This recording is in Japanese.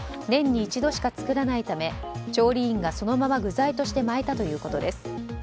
年に一度しか作らないため調理員が、そのまま具材として巻いたということです。